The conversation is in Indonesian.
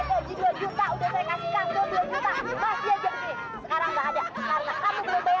udah saya gaji dua juta udah saya kasih kamu dua juta masih aja begini